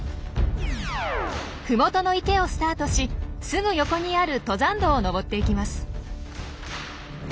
麓の池をスタートしすぐ横にある登山道を登っていきます。